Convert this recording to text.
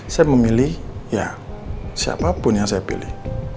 saya memilih ya siapapun yang saya pilih